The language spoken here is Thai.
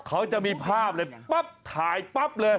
เขาจะมีภาพเลยปั๊บถ่ายปั๊บเลย